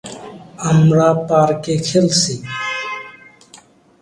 আমরা পার্কে খেলছি।